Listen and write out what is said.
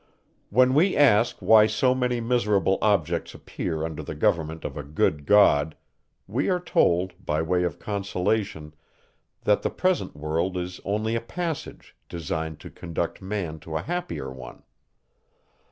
When we ask, why so many miserable objects appear under the government of a good God, we are told, by way of consolation, that the present world is only a passage, designed to conduct man to a happier one.